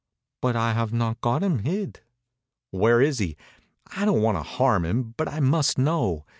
"But I have not got him hid." "Where is he? I don't want to harm him, but I must know.